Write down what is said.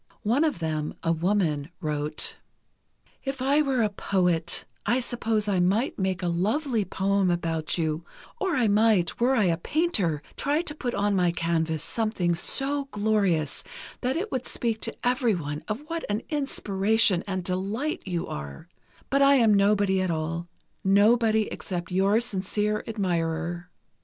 One of them, a woman, wrote: If I were a poet, I suppose I might make a lovely poem about you; or I might, were I a painter, try to put on my canvas something so glorious that it would speak to everyone of what an inspiration and delight you are; but I am nobody at all—nobody except your sincere admirer.